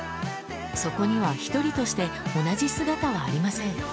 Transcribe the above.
そこには１人として同じ姿はありません。